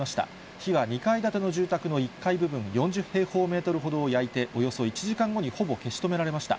火は２階建ての住宅の１階部分４０平方メートルほどを焼いて、およそ１時間後にほぼ消し止められました。